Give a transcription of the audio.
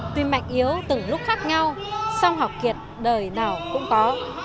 tuy mạnh yếu từng lúc khác nhau song học kiệt đời nào cũng có